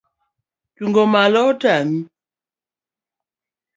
Chung' malo otame